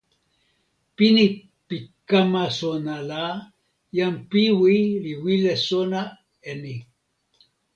pini pi kama sona la, jan Piwi li wile sona e ni.